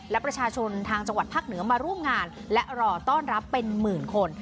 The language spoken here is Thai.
และประชาชนทางจังหวัดภาคเหนือมาร่วมงานและรอต้อนรับเป็นหมื่นคน